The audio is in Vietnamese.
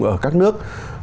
ở các nước